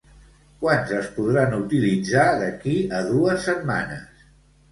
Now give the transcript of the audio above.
Quants es podran utilitzar d'aquí a dues setmanes?